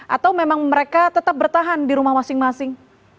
atau memang mereka tetap bertahan di rumah masing masing